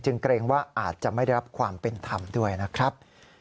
เกรงว่าอาจจะไม่ได้รับความเป็นธรรมด้วยนะครับ